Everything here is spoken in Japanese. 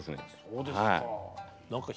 そうですか。